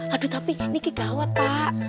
aduh tapi ini kegawat pak